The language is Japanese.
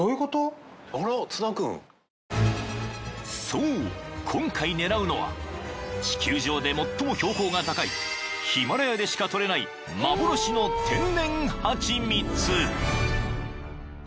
［そう今回狙うのは地球上で最も標高が高いヒマラヤでしか採れない幻の天然ハチミツ］